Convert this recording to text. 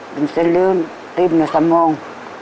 เป็นเส้นเลือดริบในสมอง